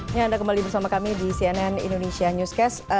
ya anda kembali bersama kami di cnn indonesia newscast